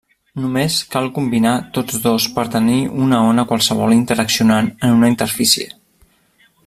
Només cal combinar tots dos per tenir una ona qualsevol interaccionant en una interfície.